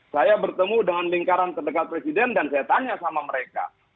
saya bertemu dengan lingkaran terdekat presiden dan saya tanya sama mereka